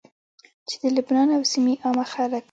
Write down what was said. چې د لبنان او سيمي عامه خلک